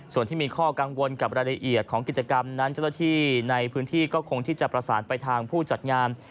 ส่วนที่มีข้อกังวลกับรายละเอียดของกิจกรรมนั้นเจ้าหน้าที่ในพื้นที่ก็คงที่จะประสานไปทางผู้จัดงาน